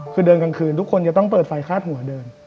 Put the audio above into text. คือเดินกลางคืนทุกคนจะต้องเปิดไฟคาดหัวเดิน